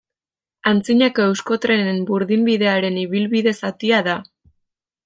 Antzinako Euskotrenen burdinbidearen ibilbide zatia da.